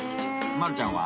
まるちゃんは？